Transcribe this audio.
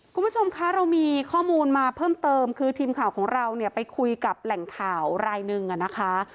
คุณผู้ชมคะเรามีข้อมูลมาเพิ่มเติมคือทีมข่าวของเราเนี่ยไปคุยกับแหล่งข่าวรายหนึ่งนะคะ